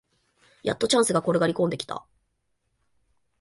やっとチャンスが転がりこんできた